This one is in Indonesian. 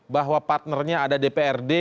bahwa partnernya ada dprd